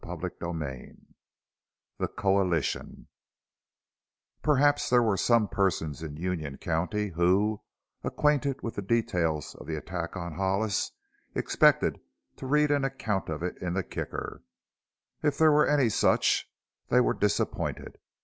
CHAPTER XIV THE COALITION Perhaps there were some persons in Union County who, acquainted with the details of the attack on Hollis, expected to read an account of it in the Kicker. If there were any such they were disappointed.